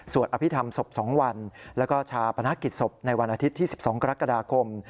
อภิษฐรรมศพ๒วันแล้วก็ชาปนกิจศพในวันอาทิตย์ที่๑๒กรกฎาคม